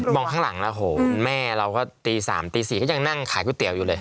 ข้างหลังนะโหคุณแม่เราก็ตี๓ตี๔ก็ยังนั่งขายก๋วยเตี๋ยวอยู่เลย